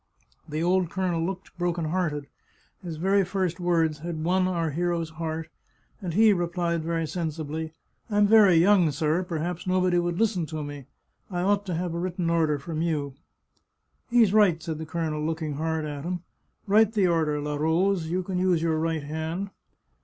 The old colonel looked broken hearted. His very first words had won our hero's heart, and he replied very sensibly, " I'm very young, sir ; perhaps nobody would listen to me. I ought to have a writ ten order from you." " He's right," said the colonel, looking hard at him. " Write the order. La Rose ; you can use your right hand."